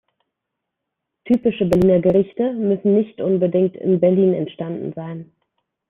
Typische Berliner Gerichte müssen nicht unbedingt in Berlin entstanden sein.